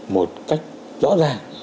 một cách rõ ràng